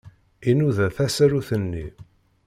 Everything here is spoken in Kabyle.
Inuda tasarut-nni.